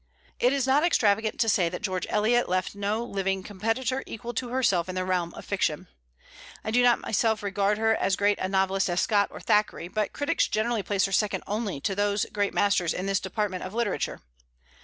It is not extravagant to say that George Eliot left no living competitor equal to herself in the realm of fiction. I do not myself regard her as great a novelist as Scott or Thackeray; but critics generally place her second only to those great masters in this department of literature.